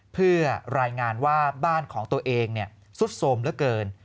เพื่อรายงานว่าบ้านของตัวเองซุดโสมเหลือเกิน